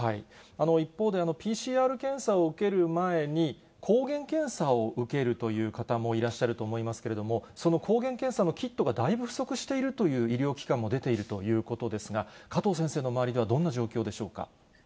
一方で、ＰＣＲ検査を受ける前に、抗原検査を受けるという方もいらっしゃると思いますけれども、その抗原検査のキットがだいぶ不足しているという医療機関も出ているということですが、加藤先生の周りでは、どんな状況でしょう